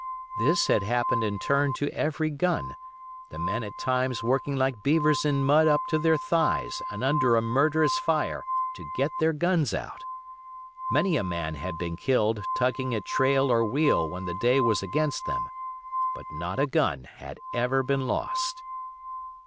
This had happened in turn to every gun, the men at times working like beavers in mud up to their thighs and under a murderous fire to get their guns out. Many a man had been killed tugging at trail or wheel when the day was against them; but not a gun had ever been lost.